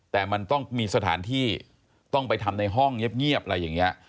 แต่มันต้องมีสถานที่ต้องไปทำในห้องเงียบอะไรอย่างนี้